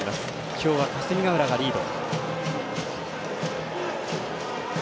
今日は霞ヶ浦がリード。